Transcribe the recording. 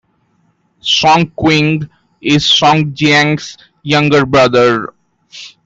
Song Qing is Song Jiang's younger brother.